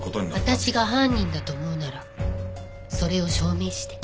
私が犯人だと思うならそれを証明して。